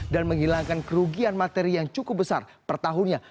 dan menghilangkan kerugian materi yang cukup besar per tahunnya